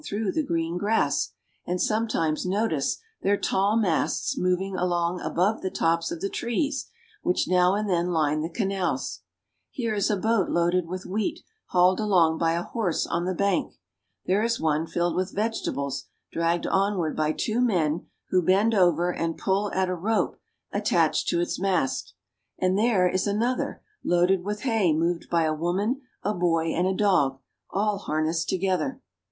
4 through the green grass, and some times notice their tall masts moving along above the tops of the trees which now and then line the canals. Here is a boat loaded with wheat hauled along by a horse on the bank. There is one filled with vegeta bles dragged onward by two men who bend over and pull at a rope attached to its mast, and there is another loaded with hay moved by a woman, a boy, and a dog, all harnessed together.